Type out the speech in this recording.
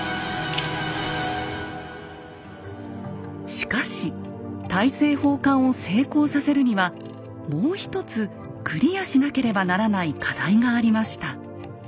しかし大政奉還を成功させるにはもう１つクリアしなければならない課題がありました。